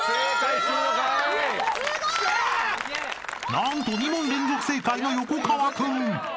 ［何と２問連続正解の横川君］